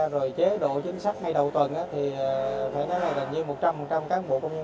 rồi chế độ chính xác ngay đầu tuần thì phải nói là gần như một trăm linh các bộ công nhân